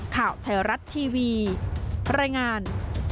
ข่าวไทยรัฐทีวีรายงาน